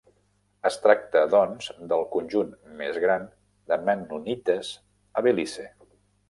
Es tracta, doncs, del conjunt més gran de mennonites a Belize.